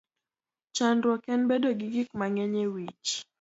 Chandruok en bedo gi gik mang'eny e wich.